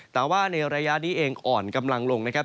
แต่ว่าในระยะนี้เองอ่อนกำลังลงนะครับ